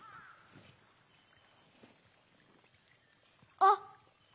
あっ！